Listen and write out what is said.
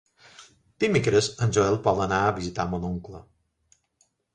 Dimecres en Joel vol anar a visitar mon oncle.